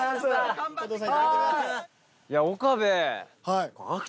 岡部。